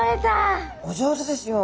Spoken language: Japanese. お上手ですよ。